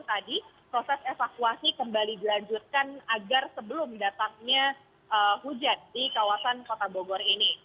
tadi proses evakuasi kembali dilanjutkan agar sebelum datangnya hujan di kawasan kota bogor ini